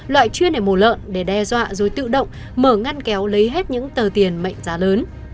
loại chuyên để mổ lợn để đe dọa rồi tự động mở ngăn kéo lấy hết những tờ tiền mệnh giá lớn